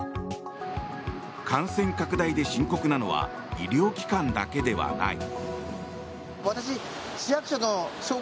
感染拡大で深刻なのは医療機関だけではない。